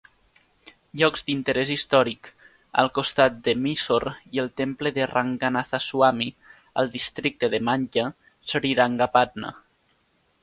Llocs d'interès històric al costat de Mysore i el temple de Ranganathaswamy, al districte de Mandya, Srirangapatna.